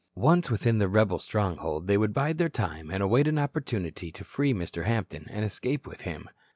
Once within the rebel stronghold they would bide their time and await an opportunity to free Mr. Hampton and escape with him.